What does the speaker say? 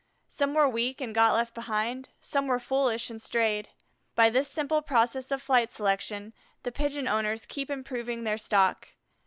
Some were weak and got left behind, some were foolish and strayed. By this simple process of flight selection the pigeon owners keep improving their stock.